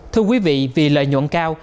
thưa quý vị vì lợi nhuận cao